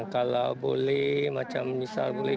kalau boleh misal boleh